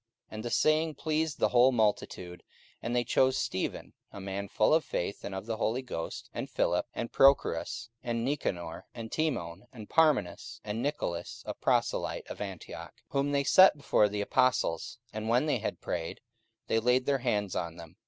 44:006:005 And the saying pleased the whole multitude: and they chose Stephen, a man full of faith and of the Holy Ghost, and Philip, and Prochorus, and Nicanor, and Timon, and Parmenas, and Nicolas a proselyte of Antioch: 44:006:006 Whom they set before the apostles: and when they had prayed, they laid their hands on them.